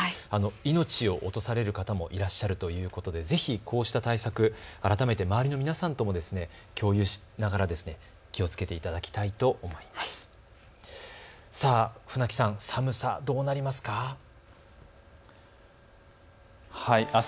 命を落とされる方もいらっしゃるということで、ぜひこうした対策、改めて周りの皆さんとも共有しながら気をつけていただきたいと思います。